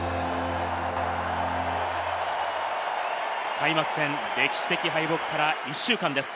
開幕戦、歴史的敗北から１週間です。